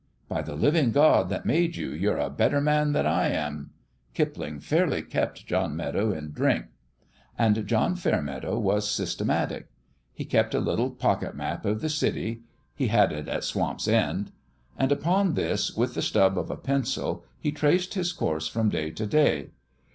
By the living God that made you, you^re a better man than I am. ... Kipling fairly kept John Fairmeadow in drink. And John Fairmeadow was systematic. He kept a little pocket map of the city he had it at Swamp's End and upon this with the stub of a pencil he traced his course from day to day.